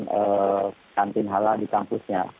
dengan kantin halal di kampusnya